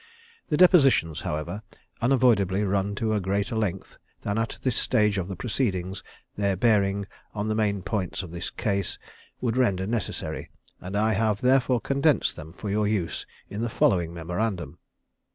The depositions, however, unavoidably run to a greater length than at this stage of the proceedings, their bearing on the main points of the case would render necessary, and I have therefore condensed them for your use in the following memorandum.